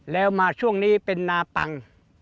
แล้วมาช่วงนี้เป็นนาปัง